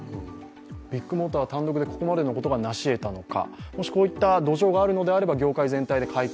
ビッグモーター単独でここまでのことが成し得たのか。